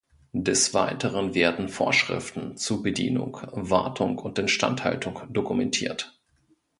Des Weiteren werden Vorschriften zu Bedienung, Wartung und Instandhaltung dokumentiert.